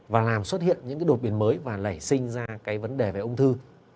và làm xuất hiện những đột biến mới và lẩy sinh ra cái vấn đề về ung thư